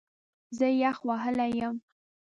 زه یخ وهلی یم